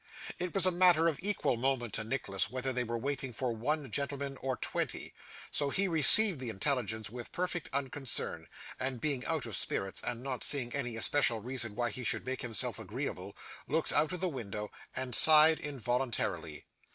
It was matter of equal moment to Nicholas whether they were waiting for one gentleman or twenty, so he received the intelligence with perfect unconcern; and, being out of spirits, and not seeing any especial reason why he should make himself agreeable, looked out of the window and sighed involuntarily.